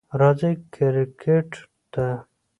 راځئ کریکټ ته!